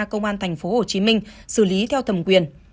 công an tp hcm xử lý theo thầm quyền